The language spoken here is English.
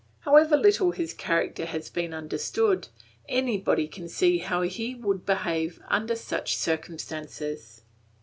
However little his character has been understood, anybody can see how he would behave under such circumstances.